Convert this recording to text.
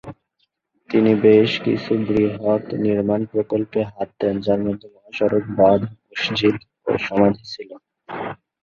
তিনি বেশ কিছু বৃহৎ নির্মাণ প্রকল্পে হাত দেন যার মধ্যে মহাসড়ক, বাধ, মসজিদ ও সমাধি ছিল।